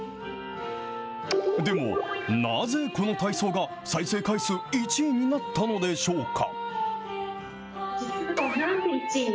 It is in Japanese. でも、なぜこの体操が再生回数１位になったのでしょうか。